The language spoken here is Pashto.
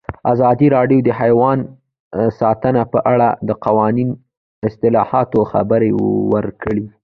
ازادي راډیو د حیوان ساتنه په اړه د قانوني اصلاحاتو خبر ورکړی.